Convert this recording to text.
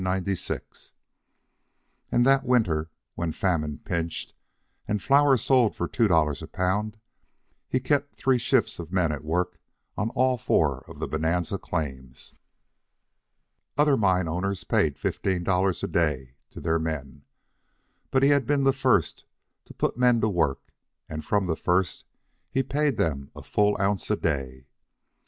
And that winter, when famine pinched, and flour sold for two dollars a pound, he kept three shifts of men at work on all four of the Bonanza claims. Other mine owners paid fifteen dollars a day to their men; but he had been the first to put men to work, and from the first he paid them a full ounce a day.